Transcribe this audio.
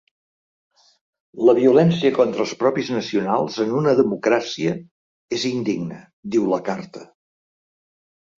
La violència contra els propis nacionals en una democràcia és indigna, diu la carta.